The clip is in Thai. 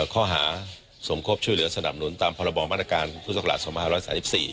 ข้อหาสมควบช่วยเหลือสนับหนุนตามพบมคุศกราชสมศ๓๔